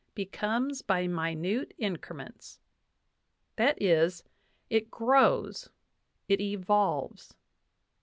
becomes by minute increments" that is, it grows, it evolves.